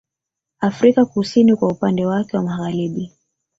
Afrika kusini kwa upande wake wa magharibi